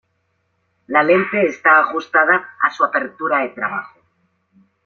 La lente está ajustada a su apertura de trabajo.